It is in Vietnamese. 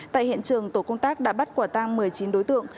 tại hiện trường tổ công tác đã bắt quả tang một mươi chín đối tượng